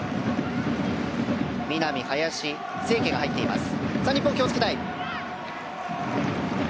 南、林、清家が入っています。